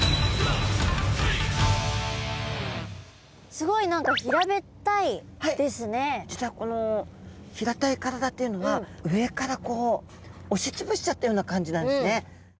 すごい何か実はこの平たい体っていうのは上からこう押し潰しちゃったような感じなんですね。